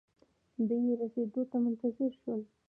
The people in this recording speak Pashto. دوئ يې رسېدو ته منتظر شول.